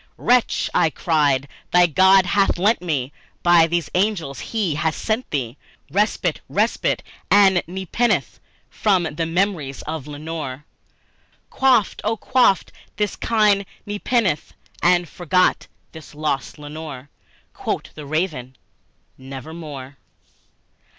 "Wretch," I cried, "thy God hath lent thee by these angels He hath sent thee Respite respite and nepenthe from my memories of Lenore! Quaff, oh, quaff this kind nepenthe, and forget this lost Lenore!" Quoth the Raven, "Nevermore."